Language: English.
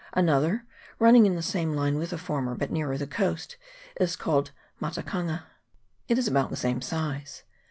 Another, running in the same line with the former, but nearer the coast, is called Matakanga. It is about the same size.